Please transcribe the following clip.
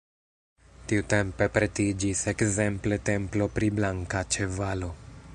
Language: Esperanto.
Tiutempe pretiĝis ekzemple templo pri Blanka Ĉevalo.